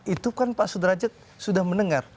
itu kan pak sudrajat sudah mendengar